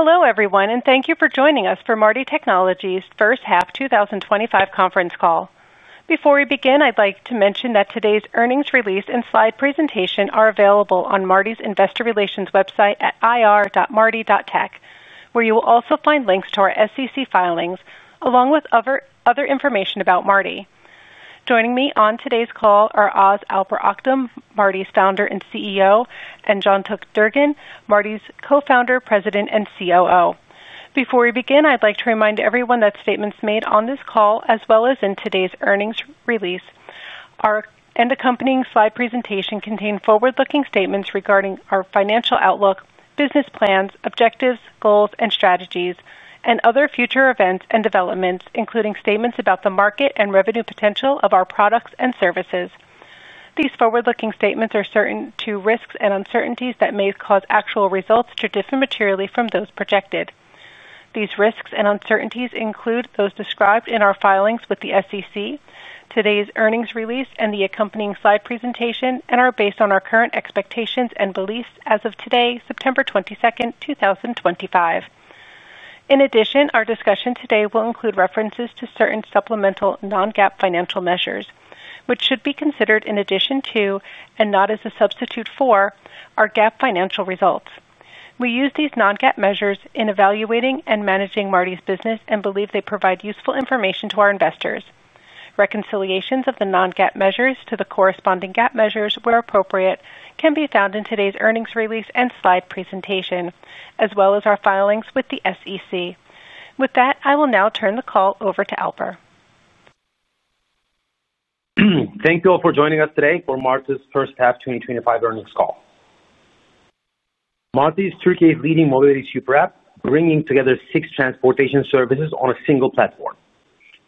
Hello everyone, and thank you for joining us for Marti Technologies Inc.'s first half 2025 conference call. Before we begin, I'd like to mention that today's earnings release and slide presentation are available on Marti's investor relations website at ir.marti.tech, where you will also find links to our SEC filings, along with other information about Marti. Joining me on today's call are Oguz Alper Oktem, Marti's founder and CEO, and Cankut Durgun, Marti's co-founder, President, and COO. Before we begin, I'd like to remind everyone that statements made on this call, as well as in today's earnings release and accompanying slide presentation, contain forward-looking statements regarding our financial outlook, business plans, objectives, goals, and strategies, and other future events and developments, including statements about the market and revenue potential of our products and services. These forward-looking statements are subject to risks and uncertainties that may cause actual results to differ materially from those projected. These risks and uncertainties include those described in our filings with the SEC, today's earnings release, and the accompanying slide presentation, and are based on our current expectations and beliefs as of today, September 22, 2025. In addition, our discussion today will include references to certain supplemental non-GAAP financial measures, which should be considered in addition to, and not as a substitute for, our GAAP financial results. We use these non-GAAP measures in evaluating and managing Marti's business and believe they provide useful information to our investors. Reconciliations of the non-GAAP measures to the corresponding GAAP measures, where appropriate, can be found in today's earnings release and slide presentation, as well as our filings with the SEC. With that, I will now turn the call over to Alper. Thank you all for joining us today for Marti Technologies Inc.'s first half 2025 earnings call. Marti is leading mobility tech, bringing together six transportation services on a single platform.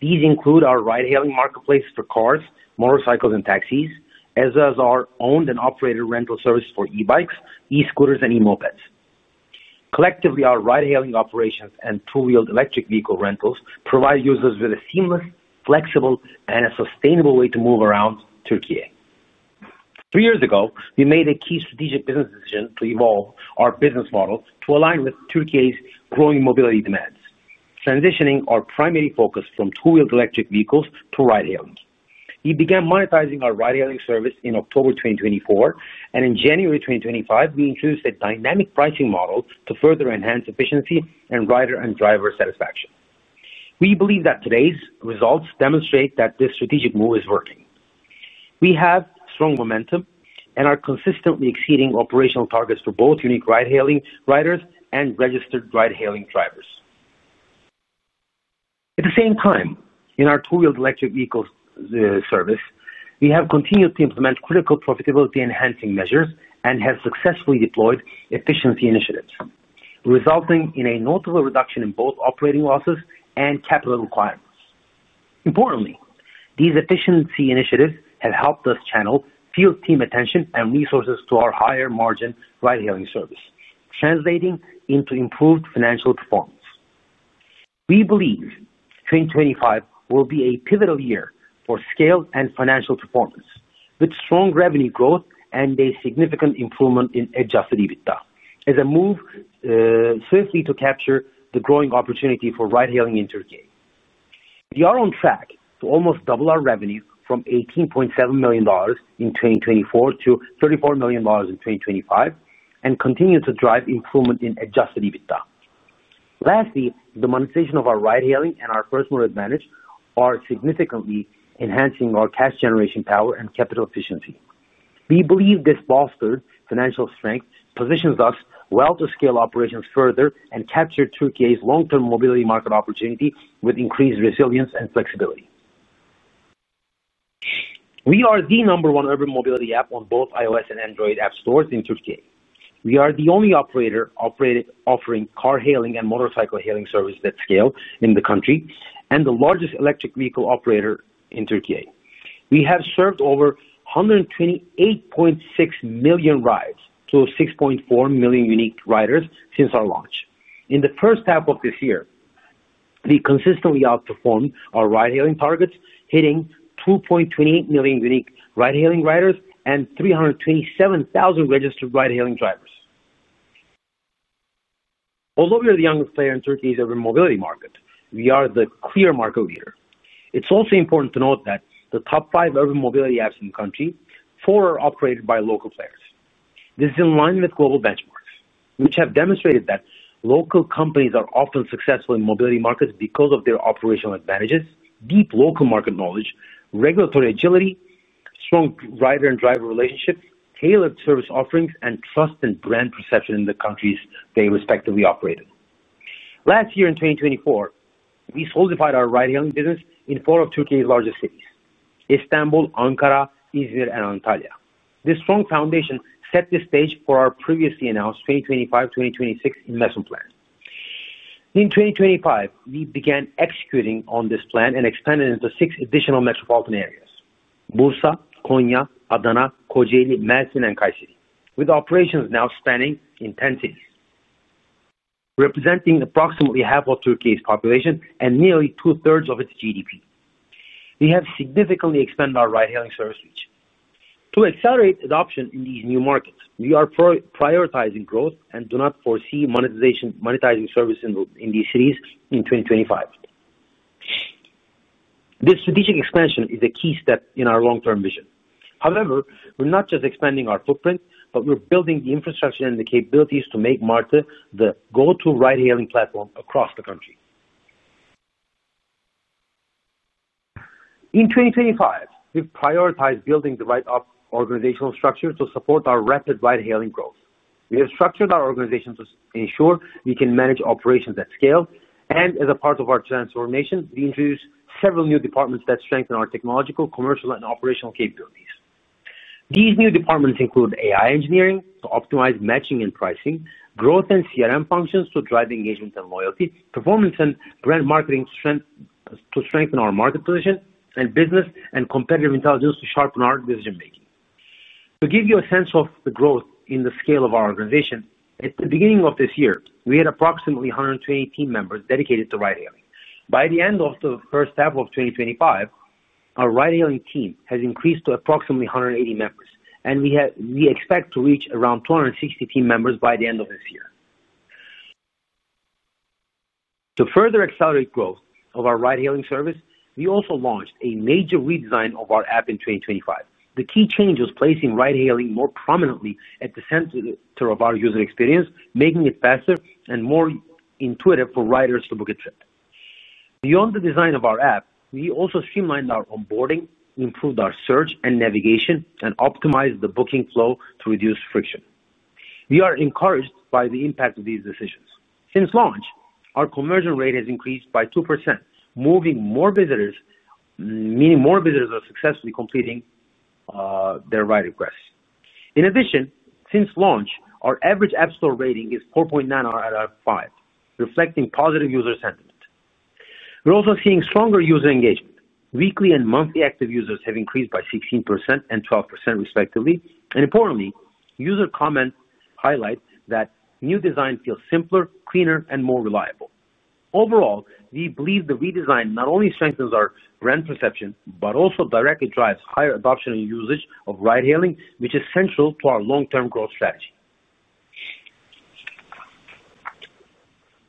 These include our ride-hailing marketplace for cars, motorcycles, and taxis, as well as our owned and operated rental services for e-bikes, e-scooters, and e-mopeds. Collectively, our ride-hailing operations and two-wheeled electric vehicle rentals provide users with a seamless, flexible, and sustainable way to move around Türkiye. Three years ago, we made a key strategic business decision to evolve our business model to align with Türkiye's growing mobility demands, transitioning our primary focus from two-wheeled electric vehicles to ride-hailing. We began monetizing our ride-hailing service in October 2024, and in January 2025, we introduced a dynamic pricing model to further enhance efficiency and rider and driver satisfaction. We believe that today's results demonstrate that this strategic move is working. We have strong momentum and are consistently exceeding operational targets for both unique ride-hailing riders and registered drivers. At the same time, in our two-wheeled electric vehicle service, we have continued to implement critical profitability-enhancing measures and have successfully deployed efficiency initiatives, resulting in a notable reduction in both operating losses and capital requirements. Importantly, these efficiency initiatives have helped us channel field team attention and resources to our higher margin ride-hailing service, translating into improved financial performance. We believe 2025 will be a pivotal year for scale and financial performance, with strong revenue growth and a significant improvement in adjusted EBITDA, as we move swiftly to capture the growing opportunity for ride-hailing in Türkiye. We are on track to almost double our revenue from $18.7 million in 2024 to $34 million in 2025, and continue to drive improvement in adjusted EBITDA. Lastly, the monetization of our ride-hailing and our personal advantage are significantly enhancing our cash generation power and capital efficiency. We believe this fostered financial strength positions us well to scale operations further and capture Türkiye's long-term mobility market opportunity with increased resilience and flexibility. We are the number one urban mobility app on both iOS and Android app stores in Türkiye. We are the only operator offering car hailing and motorcycle hailing service at scale in the country, and the largest electric vehicle operator in Türkiye. We have served over 128.6 million rides to 6.4 million unique riders since our launch. In the first half of this year, we consistently outperformed our ride-hailing targets, hitting 2.28 million unique ride-hailing riders and 327,000 registered ride-hailing drivers. Although we are the youngest player in Türkiye's urban mobility market, we are the clear market leader. It's also important to note that of the top five urban mobility apps in the country, four are operated by local players. This is in line with global benchmarks, which have demonstrated that local companies are often successful in mobility markets because of their operational advantages, deep local market knowledge, regulatory agility, strong rider and driver relationships, tailored service offerings, and trust in brand perception in the countries they respectively operate in. Last year in 2024, we solidified our ride-hailing business in four of Türkiye's largest cities: Istanbul, Ankara, Izmir, and Antalya. This strong foundation set the stage for our previously announced 2025-2026 investment plan. In 2025, we began executing on this plan and expanded into six additional metropolitan areas: Bursa, Konya, Adana, Kocaeli, Mersin, and Kayseri, with operations now spanning 10 cities, representing approximately half of Türkiye's population and nearly two-thirds of its GDP. We have significantly expanded our ride-hailing service reach. To accelerate adoption in these new markets, we are prioritizing growth and do not foresee monetizing services in these cities in 2025. This strategic expansion is a key step in our long-term vision. However, we're not just expanding our footprint, but we're building the infrastructure and the capabilities to make Marti the go-to ride-hailing platform across the country. In 2025, we've prioritized building the right organizational structure to support our rapid ride-hailing growth. We have structured our organization to ensure we can manage operations at scale, and as a part of our transformation, we introduced several new departments that strengthen our technological, commercial, and operational capabilities. These new departments include AI engineering to optimize matching and pricing, growth and CRM functions to drive engagement and loyalty, performance and brand marketing to strengthen our market position, and business and competitive intelligence to sharpen our decision-making. To give you a sense of the growth in the scale of our organization, at the beginning of this year, we had approximately 120 team members dedicated to ride-hailing. By the end of the first half of 2025, our ride-hailing team has increased to approximately 180 members, and we expect to reach around 260 team members by the end of this year. To further accelerate growth of our ride-hailing service, we also launched a major redesign of our app in 2025. The key change was placing ride-hailing more prominently at the center of our user experience, making it faster and more intuitive for riders to book a trip. Beyond the design of our app, we also streamlined our onboarding, improved our search and navigation, and optimized the booking flow to reduce friction. We are encouraged by the impact of these decisions. Since launch, our conversion rate has increased by 2%, meaning more visitors are successfully completing their ride requests. In addition, since launch, our average App Store rating is 4.9 out of 5, reflecting positive user sentiment. We're also seeing stronger user engagement. Weekly and monthly active users have increased by 16% and 12%, respectively. Importantly, user comments highlight that new design feels simpler, cleaner, and more reliable. Overall, we believe the redesign not only strengthens our brand perception, but also directly drives higher adoption and usage of ride-hailing, which is central to our long-term growth strategy.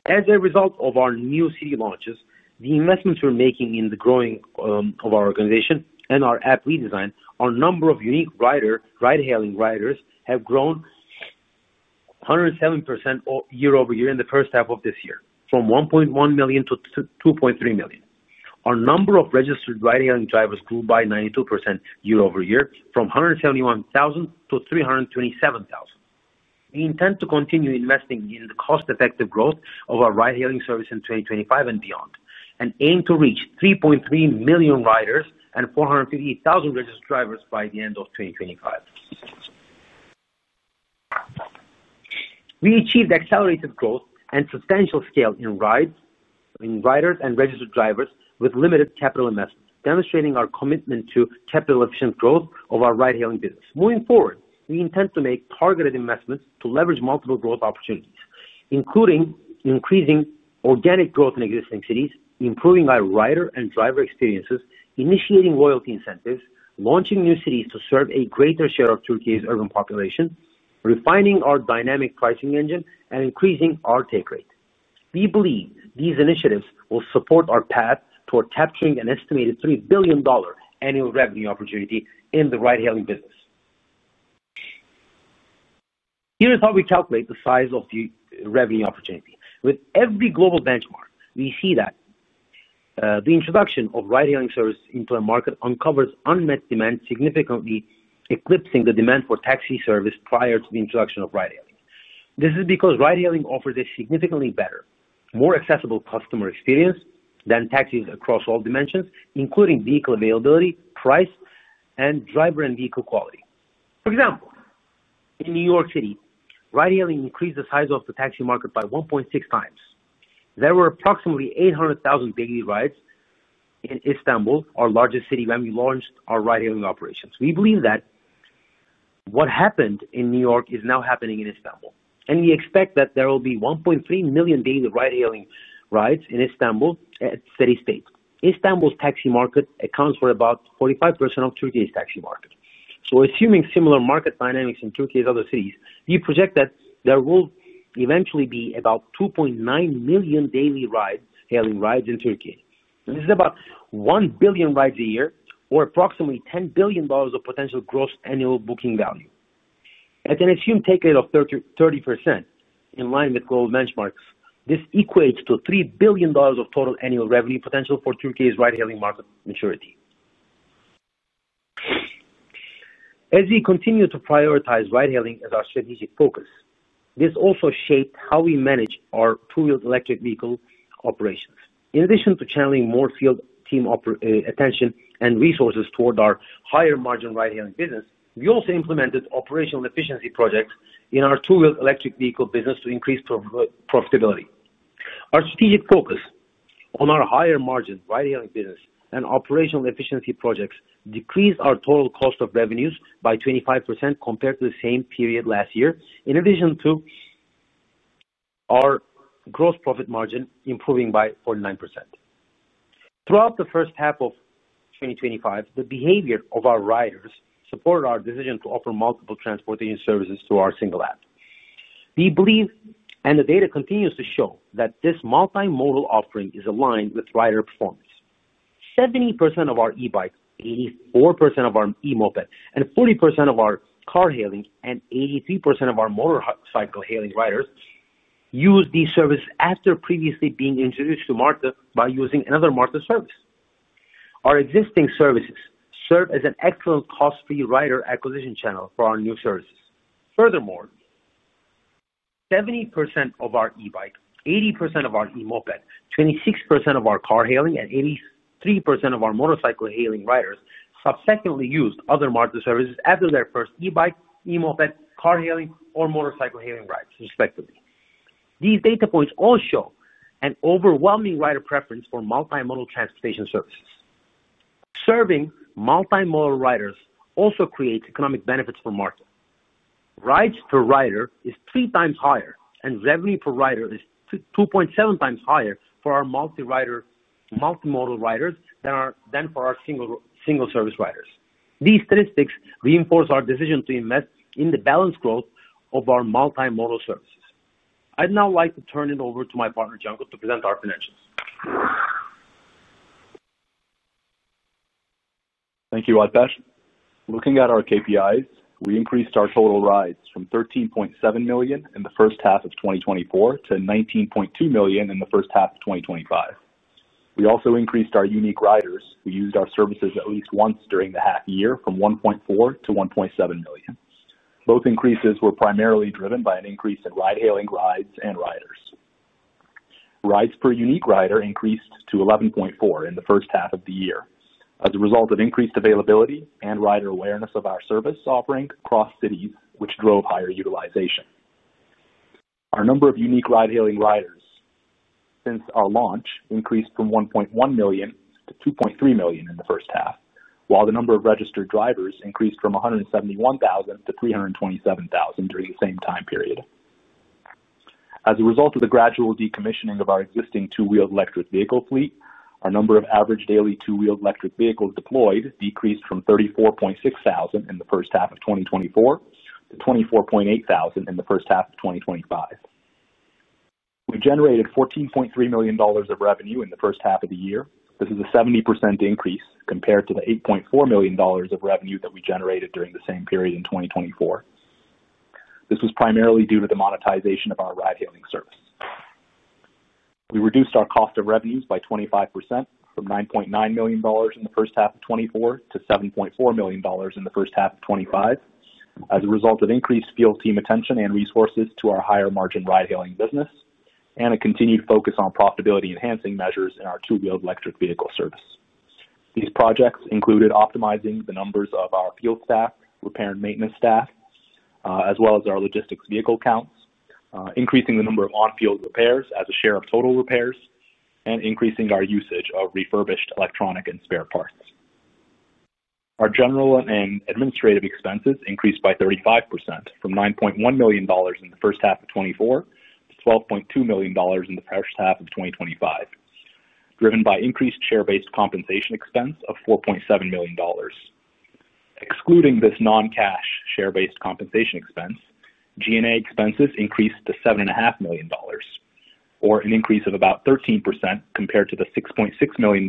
As a result of our new city launches, the investments we're making in the growth of our organization and our app redesign, our number of unique ride-hailing riders has grown 107% year over year in the first half of this year, from 1.1 million to 2.3 million. Our number of registered ride-hailing drivers grew by 92% year over year, from 171,000 to 327,000. We intend to continue investing in the cost-effective growth of our ride-hailing service in 2025 and beyond, and aim to reach 3.3 million riders and 450,000 registered drivers by the end of 2025. We achieved accelerated growth and substantial scale in riders and registered drivers with limited capital investment, demonstrating our commitment to capital-efficient growth of our ride-hailing business. Moving forward, we intend to make targeted investments to leverage multiple growth opportunities, including increasing organic growth in existing cities, improving our rider and driver experiences, initiating loyalty incentives, launching new cities to serve a greater share of Türkiye's urban population, refining our dynamic pricing engine, and increasing our take rate. We believe these initiatives will support our path toward capturing an estimated $3 billion annual revenue opportunity in the ride-hailing business. Here is how we calculate the size of the revenue opportunity. With every global benchmark, we see that the introduction of ride-hailing service into a market uncovers unmet demand significantly, eclipsing the demand for taxi service prior to the introduction of ride-hailing. This is because ride-hailing offers a significantly better, more accessible customer experience than taxis across all dimensions, including vehicle availability, price, and driver and vehicle quality. For example, in New York City, ride-hailing increased the size of the taxi market by 1.6 times. There were approximately 800,000 daily rides in Istanbul, our largest city, when we launched our ride-hailing operations. We believe that what happened in New York is now happening in Istanbul, and we expect that there will be 1.3 million daily ride-hailing rides in Istanbul at a steady state. Istanbul's taxi market accounts for about 45% of Türkiye's taxi market. Assuming similar market dynamics in Türkiye's other cities, we project that there will eventually be about 2.9 million daily ride-hailing rides in Türkiye. This is about 1 billion rides a year, or approximately $10 billion of potential gross annual booking value. At an assumed take rate of 30%, in line with global benchmarks, this equates to $3 billion of total annual revenue potential for Türkiye's ride-hailing market maturity. As we continue to prioritize ride-hailing as our strategic focus, this also shaped how we manage our two-wheeled electric vehicle operations. In addition to channeling more field team attention and resources toward our higher margin ride-hailing business, we also implemented operational efficiency projects in our two-wheeled electric vehicle business to increase profitability. Our strategic focus on our higher margin ride-hailing business and operational efficiency projects decreased our total cost of revenues by 25% compared to the same period last year, in addition to our gross profit margin improving by 49%. Throughout the first half of 2025, the behavior of our riders supported our decision to offer multiple transportation services to our single app. We believe, and the data continues to show, that this multimodal offering is aligned with rider performance. 70% of our e-bikes, 84% of our e-mopeds, 40% of our car hailings, and 83% of our motorcycle hailing riders use these services after previously being introduced to Marti by using another Marti service. Our existing services serve as an excellent cost-free rider acquisition channel for our new services. Furthermore, 70% of our e-bikes, 80% of our e-mopeds, 26% of our car hailing, and 83% of our motorcycle hailing riders subsequently used other Marti services after their first e-bike, e-moped, car hailing, or motorcycle hailing rides, respectively. These data points all show an overwhelming rider preference for multimodal transportation services. Serving multimodal riders also creates economic benefits for Marti. Rides per rider are three times higher, and revenue per rider is 2.7 times higher for our multimodal riders than for our single-service riders. These statistics reinforce our decision to invest in the balanced growth of our multimodal services. I'd now like to turn it over to my partner, Johntuk, to present our financials. Thank you, Alper. Looking at our KPIs, we increased our total rides from 13.7 million in the first half of 2024 to 19.2 million in the first half of 2025. We also increased our unique riders who used our services at least once during the half year, from 1.4 to 1.7 million. Both increases were primarily driven by an increase in ride-hailing rides and riders. Rides per unique rider increased to 11.4 in the first half of the year as a result of increased availability and rider awareness of our service offering across cities, which drove higher utilization. Our number of unique ride-hailing riders since our launch increased from 1.1 million to 2.3 million in the first half, while the number of registered drivers increased from 171,000 to 327,000 during the same time period. As a result of the gradual decommissioning of our existing two-wheeled electric vehicle fleet, our number of average daily two-wheeled electric vehicles deployed decreased from 34.6 thousand in the first half of 2024 to 24.8 thousand in the first half of 2025. We generated $14.3 million of revenue in the first half of the year. This is a 70% increase compared to the $8.4 million of revenue that we generated during the same period in 2024. This was primarily due to the monetization of our ride-hailing service. We reduced our cost of revenues by 25% from $9.9 million in the first half of 2024 to $7.4 million in the first half of 2025, as a result of increased field team attention and resources to our higher margin ride-hailing business and a continued focus on profitability-enhancing measures in our two-wheeled electric vehicle service. These projects included optimizing the numbers of our field staff, repair, and maintenance staff, as well as our logistics vehicle counts, increasing the number of on-field repairs as a share of total repairs, and increasing our usage of refurbished electronic and spare parts. Our general and administrative expenses increased by 35% from $9.1 million in the first half of 2024 to $12.2 million in the first half of 2025, driven by increased share-based compensation expense of $4.7 million. Excluding this non-cash share-based compensation expense, G&A expenses increased to $7.5 million, or an increase of about 13% compared to the $6.6 million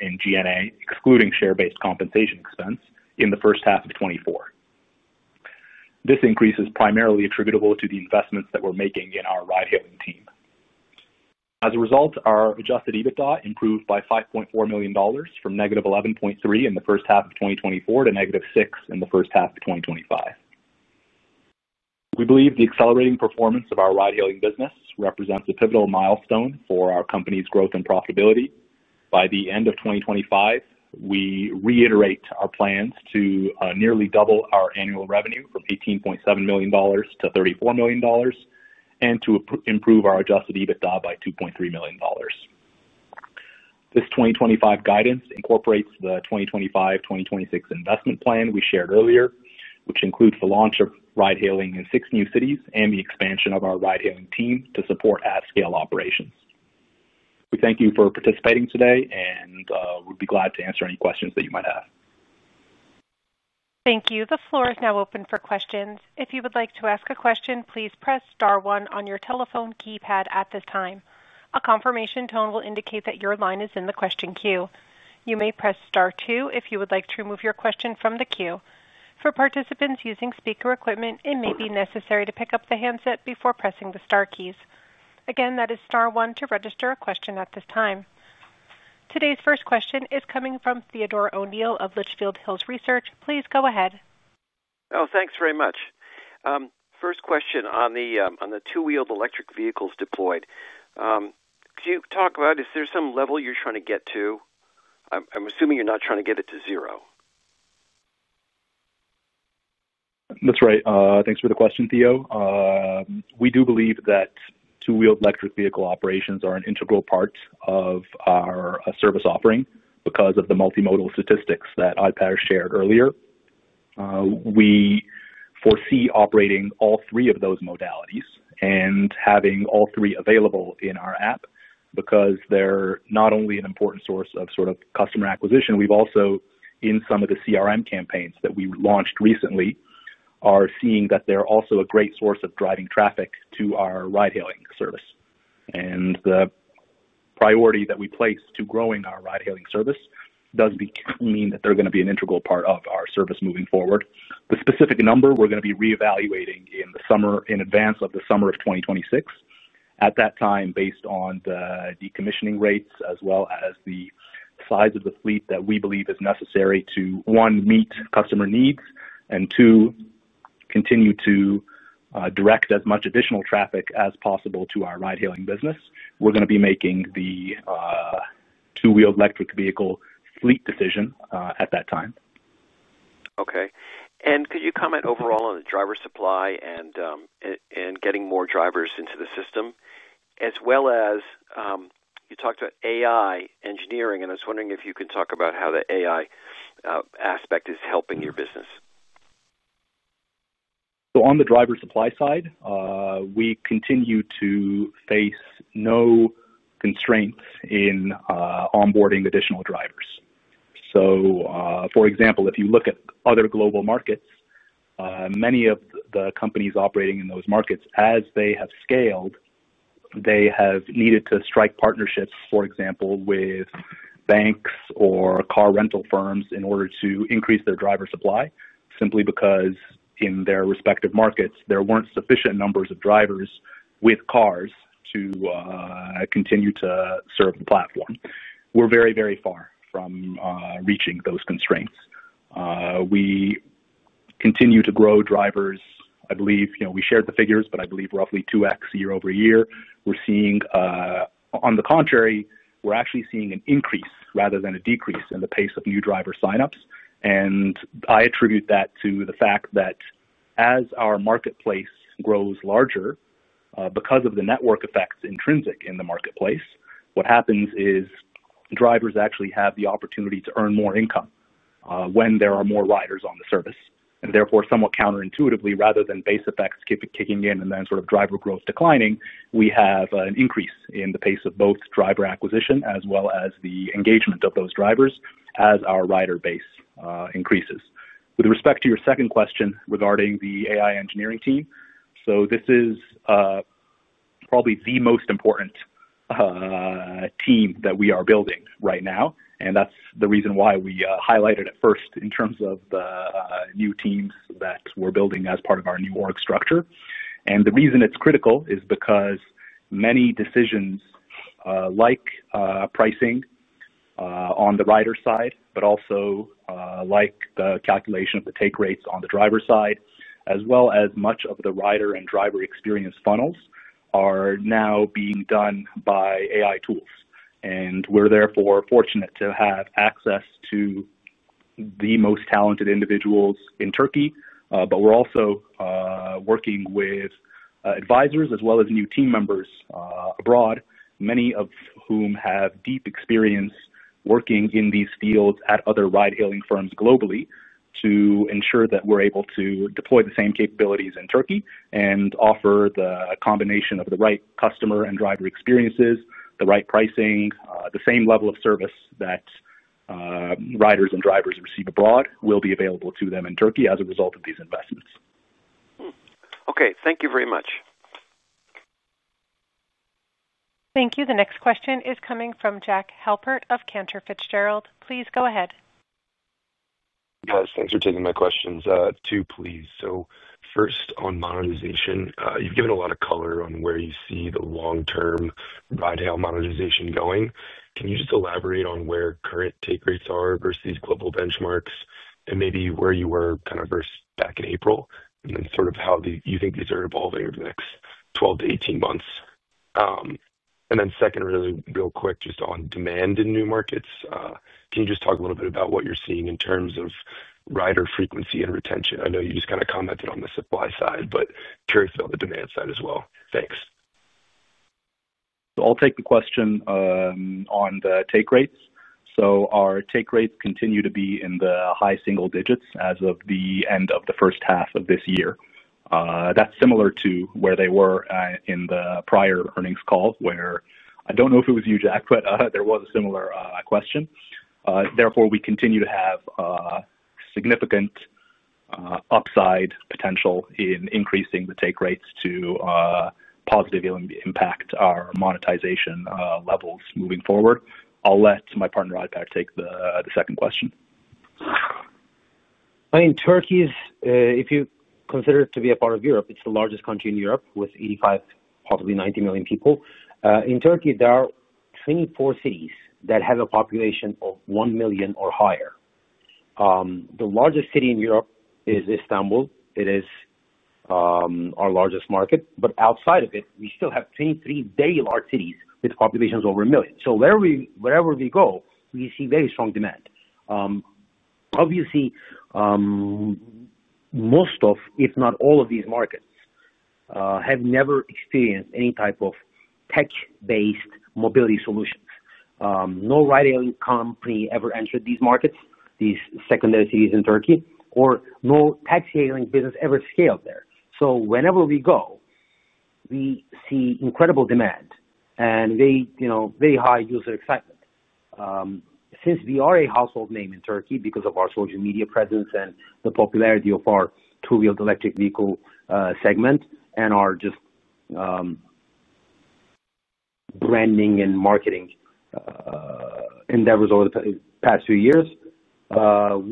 in G&A, excluding share-based compensation expense in the first half of 2024. This increase is primarily attributable to the investments that we're making in our ride-hailing team. As a result, our adjusted EBITDA improved by $5.4 million from negative $11.3 million in the first half of 2024 to negative $6 million in the first half of 2025. We believe the accelerating performance of our ride-hailing business represents a pivotal milestone for our company's growth and profitability. By the end of 2025, we reiterate our plans to nearly double our annual revenue from $18.7 million to $34 million and to improve our adjusted EBITDA by $2.3 million. This 2025 guidance incorporates the 2025-2026 investment plan we shared earlier, which includes the launch of ride-hailing in six new cities and the expansion of our ride-hailing team to support at-scale operations. We thank you for participating today and would be glad to answer any questions that you might have. Thank you. The floor is now open for questions. If you would like to ask a question, please press star one on your telephone keypad at this time. A confirmation tone will indicate that your line is in the question queue. You may press star two if you would like to remove your question from the queue. For participants using speaker equipment, it may be necessary to pick up the handset before pressing the star keys. Again, that is star one to register a question at this time. Today's first question is coming from Theodore O'Neil of Litchfield Hills Research. Please go ahead. Oh, thanks very much. First question on the two-wheeled electric vehicles deployed. Could you talk about, is there some level you're trying to get to? I'm assuming you're not trying to get it to zero. That's right. Thanks for the question, Theo. We do believe that two-wheeled electric vehicle operations are an integral part of our service offering because of the multimodal statistics that Ipar shared earlier. We foresee operating all three of those modalities and having all three available in our app because they're not only an important source of sort of customer acquisition, we've also, in some of the CRM campaigns that we launched recently, are seeing that they're also a great source of driving traffic to our ride-hailing service. The priority that we place to growing our ride-hailing service does mean that they're going to be an integral part of our service moving forward. The specific number we're going to be reevaluating in the summer, in advance of the summer of 2026. At that time, based on the decommissioning rates, as well as the size of the fleet that we believe is necessary to, one, meet customer needs and, two, continue to direct as much additional traffic as possible to our ride-hailing business, we're going to be making the two-wheeled electric vehicle fleet decision at that time. Okay. Could you comment overall on the driver supply and getting more drivers into the system, as well as you talked about AI engineering? I was wondering if you could talk about how the AI aspect is helping your business. On the driver supply side, we continue to face no constraints in onboarding additional drivers. For example, if you look at other global markets, many of the companies operating in those markets, as they have scaled, have needed to strike partnerships, for example, with banks or car rental firms in order to increase their driver supply simply because in their respective markets, there weren't sufficient numbers of drivers with cars to continue to serve the platform. We're very, very far from reaching those constraints. We continue to grow drivers. I believe we shared the figures, but I believe roughly 2x year over year. We're seeing, on the contrary, an increase rather than a decrease in the pace of new driver signups. I attribute that to the fact that as our marketplace grows larger, because of the network effects intrinsic in the marketplace, what happens is drivers actually have the opportunity to earn more income when there are more riders on the service. Therefore, somewhat counterintuitively, rather than base effects kicking in and then sort of driver growth declining, we have an increase in the pace of both driver acquisition as well as the engagement of those drivers as our rider base increases. With respect to your second question regarding the AI engineering team, this is probably the most important team that we are building right now. That's the reason why we highlighted it first in terms of the new teams that we're building as part of our new org structure. The reason it's critical is because many decisions like pricing on the rider side, but also like the calculation of the take rates on the driver side, as well as much of the rider and driver experience funnels, are now being done by AI tools. We're therefore fortunate to have access to the most talented individuals in Türkiye, but we're also working with advisors as well as new team members abroad, many of whom have deep experience working in these fields at other ride-hailing firms globally to ensure that we're able to deploy the same capabilities in Türkiye and offer the combination of the right customer and driver experiences, the right pricing, the same level of service that riders and drivers receive abroad will be available to them in Türkiye as a result of these investments. Okay, thank you very much. Thank you. The next question is coming from Jack Halpert of Cantor Fitzgerald. Please go ahead. Thanks for taking my questions. Two, please. First on monetization, you've given a lot of color on where you see the long-term ride-hail monetization going. Can you just elaborate on where current take rates are versus global benchmarks and maybe where you were versus back in April, and how you think these are evolving over the next 12 to 18 months? Second, really quick, just on demand in new markets, can you talk a little bit about what you're seeing in terms of rider frequency and retention? I know you just commented on the supply side, but curious about the demand side as well. Thanks. I'll take the question on the take rates. Our take rates continue to be in the high single digits as of the end of the first half of this year. That's similar to where they were in the prior earnings call, where I don't know if it was you, Jack, but there was a similar question. Therefore, we continue to have significant upside potential in increasing the take rates to positively impact our monetization levels moving forward. I'll let my partner Ipar take the second question. I mean, Türkiye's, if you consider it to be a part of Europe, it's the largest country in Europe with 85, possibly 90 million people. In Türkiye, there are 24 cities that have a population of 1 million or higher. The largest city in Europe is Istanbul. It is our largest market. Outside of it, we still have 23 very large cities with populations over a million. Wherever we go, we see very strong demand. Obviously, most of, if not all of these markets have never experienced any type of tech-based mobility solutions. No ride-hailing company ever entered these markets, these secondary cities in Türkiye, or no taxi-hailing business ever scaled there. Whenever we go, we see incredible demand and very high user excitement. Since we are a household name in Türkiye because of our social media presence and the popularity of our two-wheeled electric vehicle segment and our branding and marketing endeavors over the past few years,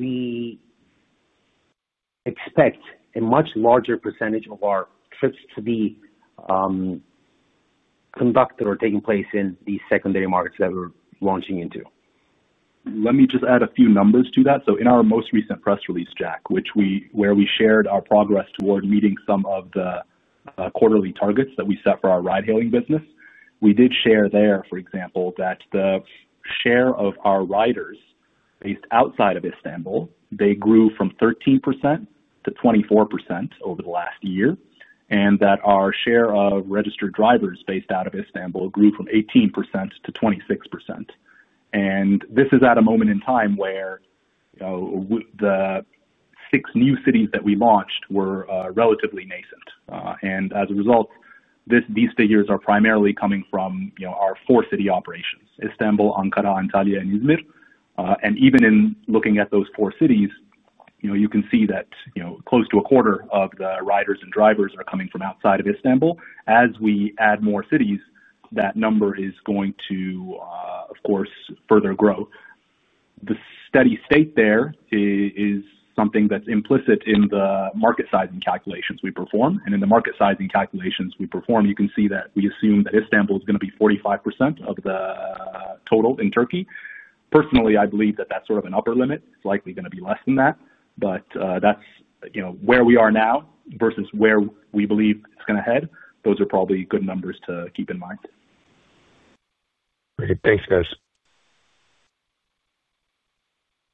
we expect a much larger percentage of our trips to be conducted or taking place in these secondary markets that we're launching into. Let me just add a few numbers to that. In our most recent press release, Jack, where we shared our progress toward meeting some of the quarterly targets that we set for our ride-hailing business, we did share there, for example, that the share of our riders based outside of Istanbul grew from 13% to 24% over the last year, and that our share of registered drivers based out of Istanbul grew from 18% to 26%. This is at a moment in time where the six new cities that we launched were relatively nascent. As a result, these figures are primarily coming from our four city operations: Istanbul, Ankara, Antalya, and Izmir. Even in looking at those four cities, you can see that close to a quarter of the riders and drivers are coming from outside of Istanbul. As we add more cities, that number is going to, of course, further grow. The steady state there is something that's implicit in the market sizing calculations we perform. In the market sizing calculations we perform, you can see that we assume that Istanbul is going to be 45% of the total in Türkiye. Personally, I believe that that's sort of an upper limit. It's likely going to be less than that. That's where we are now versus where we believe it's going to head. Those are probably good numbers to keep in mind. Great. Thanks, guys.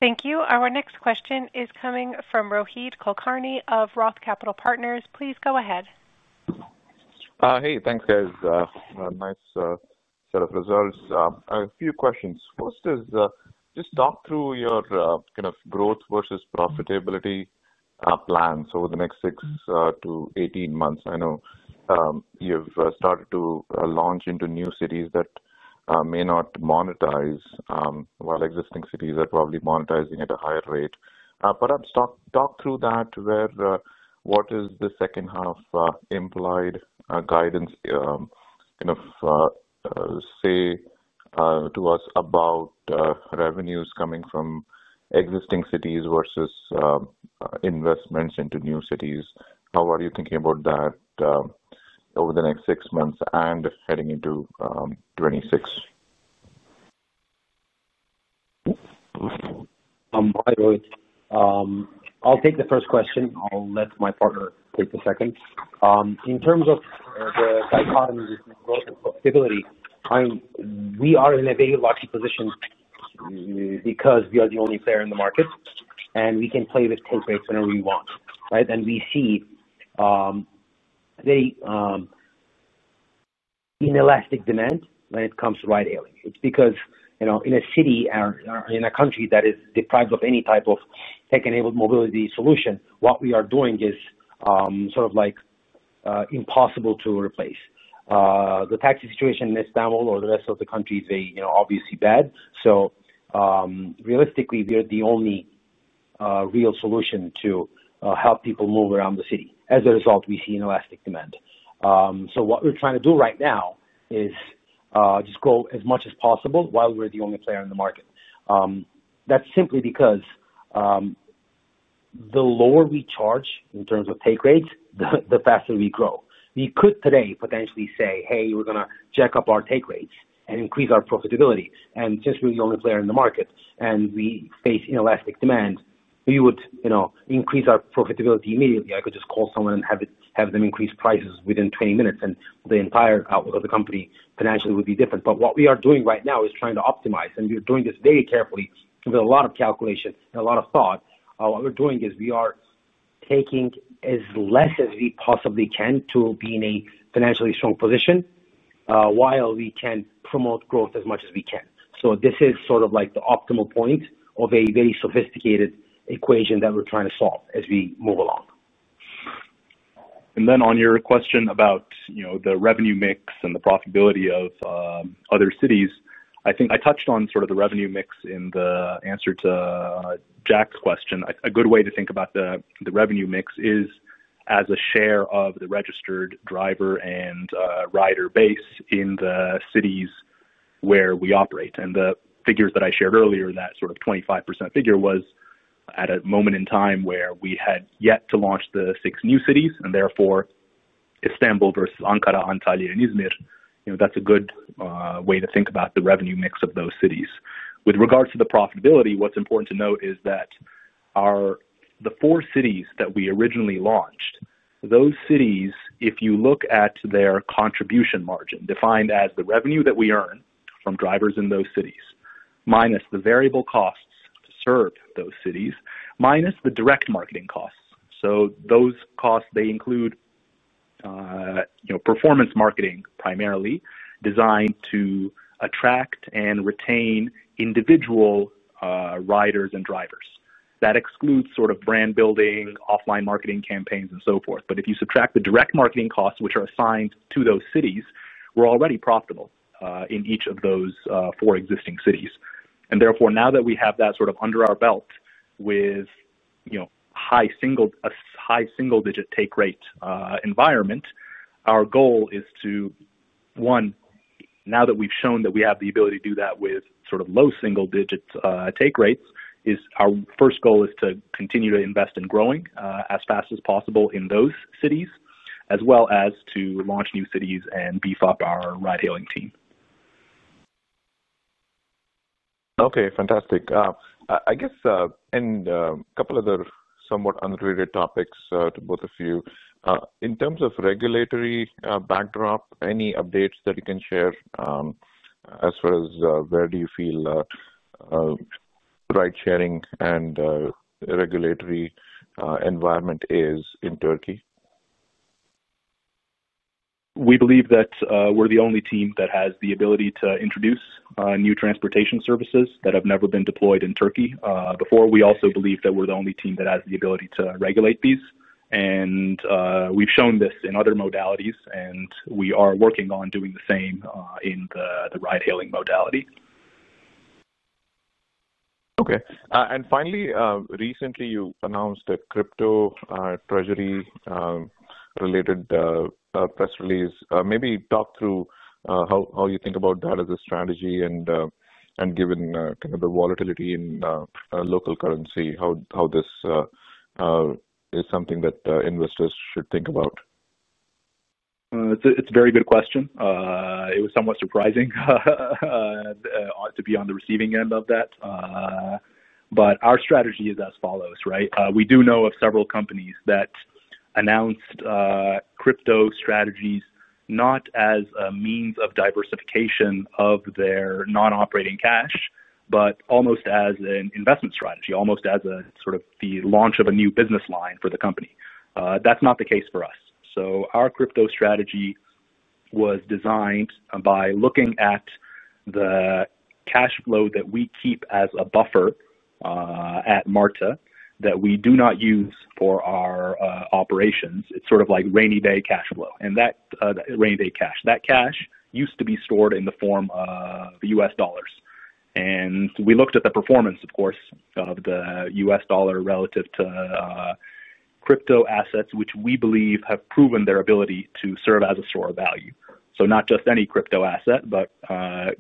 Thank you. Our next question is coming from Rohit Kulkarni of ROTH Capital. Please go ahead. Hey, thanks, guys. Nice set of results. A few questions. First is just talk through your kind of growth versus profitability plans over the next 6 to 18 months. I know you've started to launch into new cities that may not monetize, while existing cities are probably monetizing at a higher rate. Perhaps talk through that. What does the second half implied guidance say to us about revenues coming from existing cities versus investments into new cities? How are you thinking about that over the next six months and heading into 2026? Hi, Rohit. I'll take the first question. I'll let my partner take the second. In terms of the dichotomies between growth and profitability, we are in a very lucky position because we are the only player in the market, and we can play with take rates whenever we want. We see inelastic demand when it comes to ride-hailing. It's because in a city or in a country that is deprived of any type of tech-enabled mobility solution, what we are doing is sort of like impossible to replace. The taxi situation in Istanbul or the rest of the country is very obviously bad. Realistically, we are the only real solution to help people move around the city. As a result, we see inelastic demand. What we're trying to do right now is just go as much as possible while we're the only player in the market. That's simply because the lower we charge in terms of take rates, the faster we grow. We could today potentially say, "Hey, we're going to jack up our take rates and increase our profitability." Since we're the only player in the market and we face inelastic demand, we would increase our profitability immediately. I could just call someone and have them increase prices within 20 minutes, and the entire outlook of the company financially would be different. What we are doing right now is trying to optimize, and we are doing this very carefully with a lot of calculation and a lot of thought. What we're doing is we are taking as less as we possibly can to be in a financially strong position while we can promote growth as much as we can. This is sort of like the optimal point of a very sophisticated equation that we're trying to solve as we move along. On your question about the revenue mix and the profitability of other cities, I think I touched on sort of the revenue mix in the answer to Jack's question. A good way to think about the revenue mix is as a share of the registered driver and rider base in the cities where we operate. The figures that I shared earlier, that sort of 25% figure, was at a moment in time where we had yet to launch the six new cities, and therefore, Istanbul versus Ankara, Antalya, and Izmir, that's a good way to think about the revenue mix of those cities. With regards to the profitability, what's important to note is that the four cities that we originally launched, those cities, if you look at their contribution margin defined as the revenue that we earn from drivers in those cities, minus the variable costs to serve those cities, minus the direct marketing costs. Those costs include performance marketing primarily designed to attract and retain individual riders and drivers. That excludes sort of brand building, offline marketing campaigns, and so forth. If you subtract the direct marketing costs, which are assigned to those cities, we're already profitable in each of those four existing cities. Now that we have that sort of under our belt with a high single-digit take rate environment, our goal is to, one, now that we've shown that we have the ability to do that with sort of low single-digit take rates, our first goal is to continue to invest in growing as fast as possible in those cities, as well as to launch new cities and beef up our ride-hailing team. Okay, fantastic. I guess, a couple of other somewhat unrelated topics to both of you. In terms of regulatory backdrop, any updates that you can share as far as where do you feel ride-hailing and regulatory environment is in Türkiye? We believe that we're the only team that has the ability to introduce new transportation services that have never been deployed in Türkiye before. We also believe that we're the only team that has the ability to regulate these. We've shown this in other modalities, and we are working on doing the same in the ride-hailing modality. Okay. Finally, recently you announced a crypto treasury-related press release. Maybe talk through how you think about that as a strategy, and given kind of the volatility in local currency, how this is something that investors should think about. It's a very good question. It was somewhat surprising to be on the receiving end of that. Our strategy is as follows, right? We do know of several companies that announced crypto strategies not as a means of diversification of their non-operating cash, but almost as an investment strategy, almost as a sort of the launch of a new business line for the company. That's not the case for us. Our crypto strategy was designed by looking at the cash flow that we keep as a buffer at Marti that we do not use for our operations. It's sort of like rainy day cash flow. That rainy day cash, that cash used to be stored in the form of U.S. dollars. We looked at the performance, of course, of the U.S. dollar relative to crypto assets, which we believe have proven their ability to serve as a store of value. Not just any crypto asset, but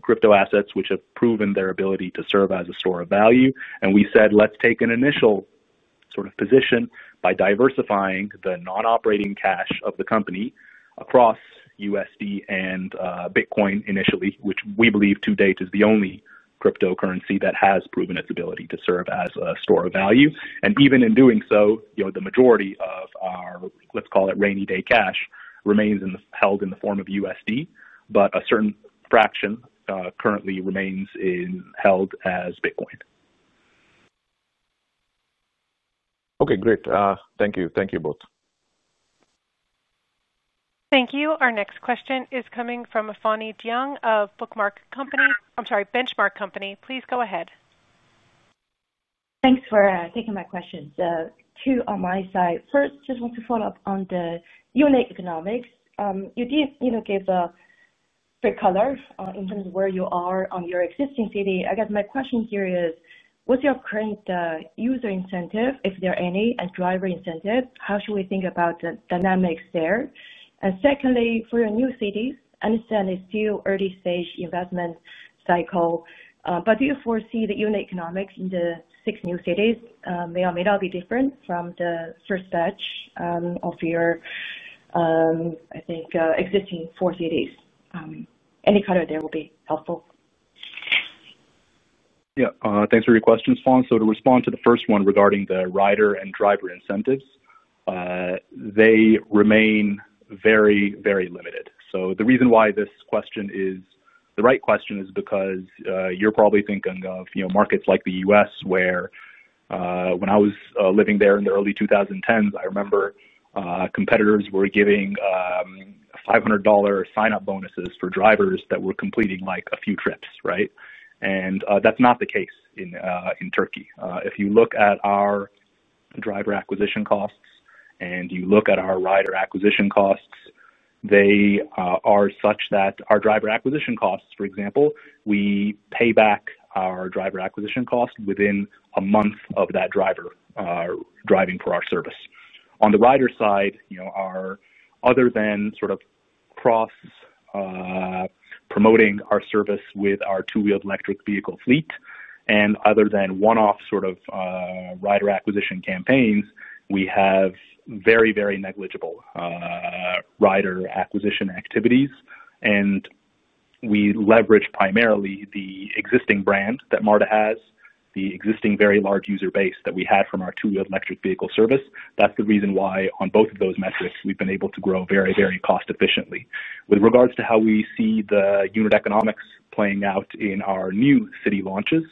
crypto assets which have proven their ability to serve as a store of value. We said, let's take an initial sort of position by diversifying the non-operating cash of the company across USD and Bitcoin initially, which we believe to date is the only cryptocurrency that has proven its ability to serve as a store of value. Even in doing so, the majority of our, let's call it rainy day cash, remains held in the form of USD, but a certain fraction currently remains held as Bitcoin. Okay, great. Thank you. Thank you both. Thank you. Our next question is coming from Afani Jiang of Benchmark Company. I'm sorry, Benchmark Company. Please go ahead. Thanks for taking my questions. Two on my side. First, just want to follow up on the unit economics. You did give a good color on where you are on your existing city. I guess my question here is, what's your current user incentive, if there are any, and driver incentive? How should we think about the dynamics there? Secondly, for your new cities, I understand it's still early-stage investment cycle. Do you foresee the unit economics in the six new cities may or may not be different from the first batch of your, I think, existing four cities? Any color there would be helpful. Yeah, thanks for your questions, Fawn. To respond to the first one regarding the rider and driver incentives, they remain very, very limited. The reason why this question is the right question is because you're probably thinking of markets like the U.S., where when I was living there in the early 2010s, I remember competitors were giving $500 sign-up bonuses for drivers that were completing like a few trips, right? That's not the case in Türkiye. If you look at our driver acquisition costs and you look at our rider acquisition costs, they are such that our driver acquisition costs, for example, we pay back our driver acquisition cost within a month of that driver driving for our service. On the rider side, other than sort of cross-promoting our service with our two-wheeled electric vehicle fleet, and other than one-off sort of rider acquisition campaigns, we have very, very negligible rider acquisition activities. We leverage primarily the existing brand that Marti has, the existing very large user base that we had from our two-wheeled electric vehicle service. That's the reason why on both of those metrics, we've been able to grow very, very cost-efficiently. With regards to how we see the unit economics playing out in our new city launches,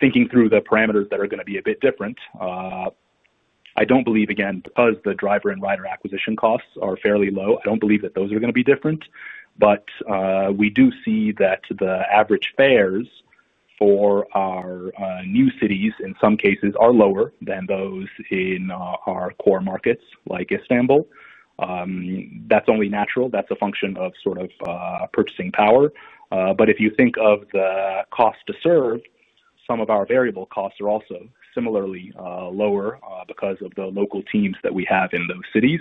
thinking through the parameters that are going to be a bit different, I don't believe, again, because the driver and rider acquisition costs are fairly low, I don't believe that those are going to be different. We do see that the average fares for our new cities, in some cases, are lower than those in our core markets like Istanbul. That's only natural. That's a function of sort of purchasing power. If you think of the cost to serve, some of our variable costs are also similarly lower because of the local teams that we have in those cities.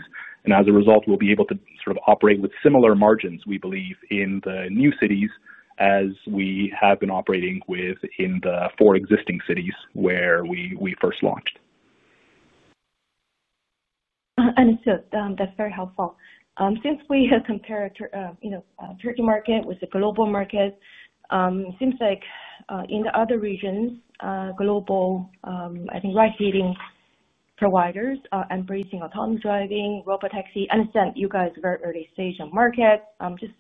As a result, we'll be able to sort of operate with similar margins, we believe, in the new cities as we have been operating within the four existing cities where we first launched. Understood. That's very helpful. Since we have compared the Türkiye market with the global market, it seems like in the other regions, global, I think, ride-hailing providers are embracing autonomous driving, robotaxi. I understand you guys are a very early-stage market. Just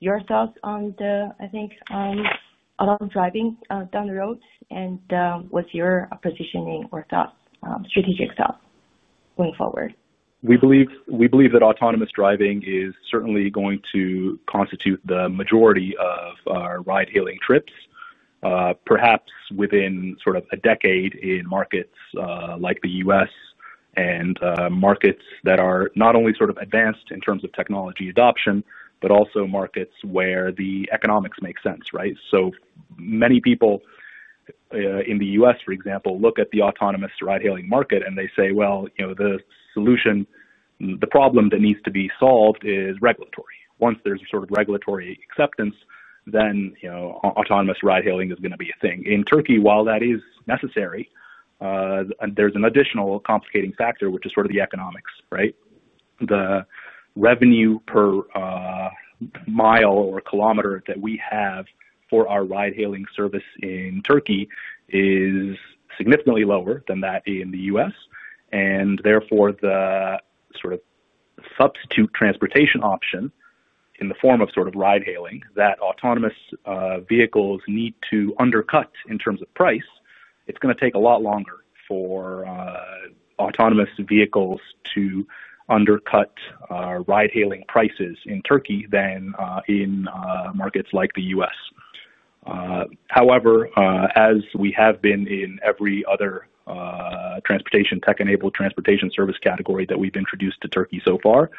your thoughts on the, I think, autonomous driving down the road and what's your positioning or thoughts, strategic thoughts going forward? We believe that autonomous driving is certainly going to constitute the majority of our ride-hailing trips, perhaps within sort of a decade in markets like the U.S. and markets that are not only sort of advanced in terms of technology adoption, but also markets where the economics make sense, right? Many people in the U.S., for example, look at the autonomous ride-hailing market and they say, you know, the solution, the problem that needs to be solved is regulatory. Once there's a sort of regulatory acceptance, then autonomous ride-hailing is going to be a thing. In Türkiye, while that is necessary, there's an additional complicating factor, which is sort of the economics, right? The revenue per mile or kilometer that we have for our ride-hailing service in Türkiye is significantly lower than that in the U.S. Therefore, the sort of substitute transportation option in the form of sort of ride-hailing that autonomous vehicles need to undercut in terms of price, it's going to take a lot longer for autonomous vehicles to undercut ride-hailing prices in Türkiye than in markets like the U.S. However, as we have been in every other tech-enabled transportation service category that we've introduced to Türkiye so far,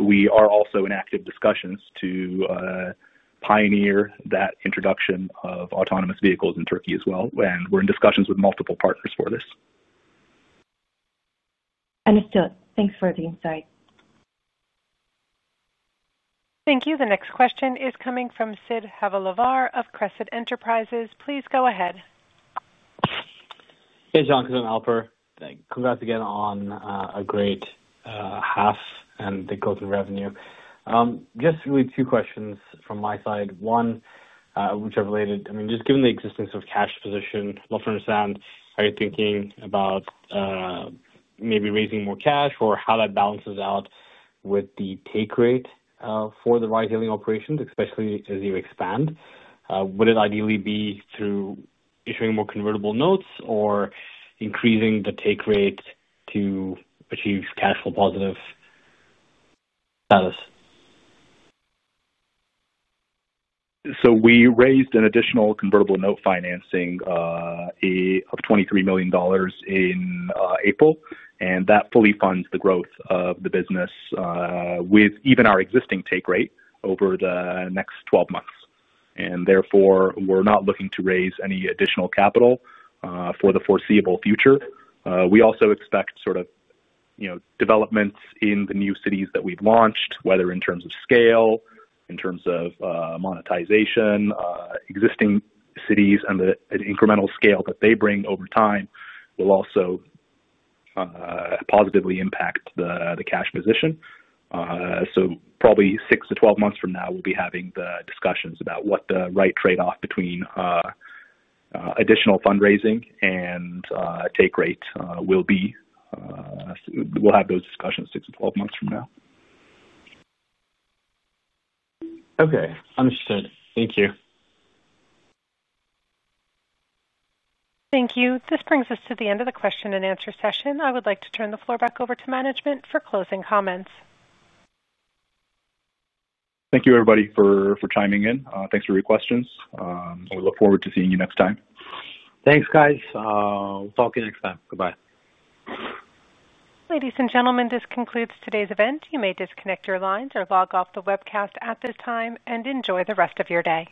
we are also in active discussions to pioneer that introduction of autonomous vehicles in Türkiye as well. We're in discussions with multiple partners for this. Understood. Thanks for the insight. Thank you. The next question is coming from Siddharth Havaldar of Crescent Enterprises. Please go ahead. Hey, John, this is Alper. Congrats again on a great half and the growth in revenue. Just really two questions from my side. One, which are related, I mean, just given the existence of cash position, I'd love to understand how you're thinking about maybe raising more cash or how that balances out with the take rate for the ride-hailing operations, especially as you expand. Would it ideally be through issuing more convertible notes or increasing the take rate to achieve cash flow positive status? We raised an additional convertible note financing of $23 million in April, and that fully funds the growth of the business with even our existing take rate over the next 12 months. Therefore, we're not looking to raise any additional capital for the foreseeable future. We also expect developments in the new cities that we've launched, whether in terms of scale, in terms of monetization, existing cities, and the incremental scale that they bring over time will also positively impact the cash position. Probably 6 to 12 months from now, we'll be having the discussions about what the right trade-off between additional fundraising and take rate will be. We'll have those discussions 6 to 12 months from now. Okay. Understood. Thank you. Thank you. This brings us to the end of the question and answer session. I would like to turn the floor back over to management for closing comments. Thank you, everybody, for chiming in. Thanks for your questions. We look forward to seeing you next time. Thanks, guys. We'll talk to you next time. Goodbye. Ladies and gentlemen, this concludes today's event. You may disconnect your lines or log off the webcast at this time and enjoy the rest of your day.